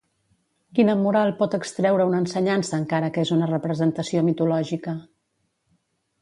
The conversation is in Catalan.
Quina moral pot extreure una ensenyança encara que és una representació mitològica?